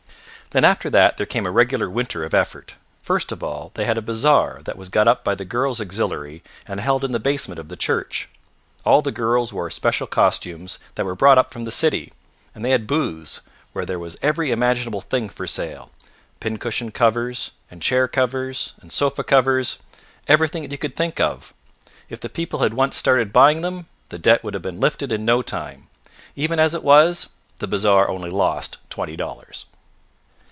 Then after that there came a regular winter of effort. First of all they had a bazaar that was got up by the Girls' Auxiliary and held in the basement of the church. All the girls wore special costumes that were brought up from the city, and they had booths, where there was every imaginable thing for sale pincushion covers, and chair covers, and sofa covers, everything that you can think of. If the people had once started buying them, the debt would have been lifted in no time. Even as it was the bazaar only lost twenty dollars.